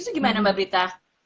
itu gimana mbak prita